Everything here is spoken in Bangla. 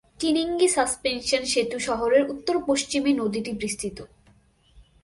চিনিঙ্গি সাসপেনশন সেতু শহরের উত্তর-পশ্চিমে নদীটি বিস্তৃত।